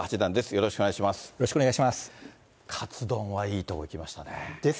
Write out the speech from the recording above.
よろしくお願いします。